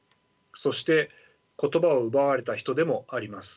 そして言葉を奪われた人でもあります。